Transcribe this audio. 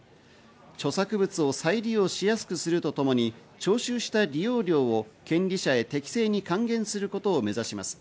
著作物を再利用しやすくするとともに徴収した利用料を権利者へ適正に還元することを目指します。